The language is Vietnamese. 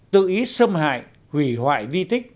tự ý xâm hại hủy hoại di tích